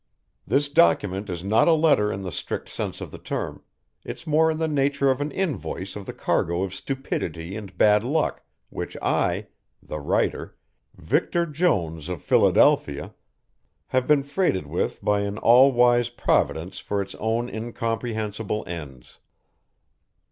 This document is not a letter in the strict sense of the term, it's more in the nature of an invoice of the cargo of stupidity and bad luck, which I, the writer, Victor Jones of Philadelphia, have been freighted with by an all wise Providence for its own incomprehensible ends."